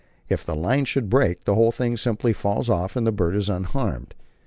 If the line should break, the whole thing simply falls off and the bird is unharmed.